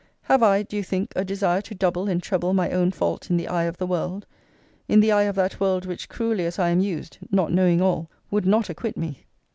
Have I, do you think, a desire to double and treble my own fault in the eye of the world? in the eye of that world which, cruelly as I am used, (not knowing all,) would not acquit me?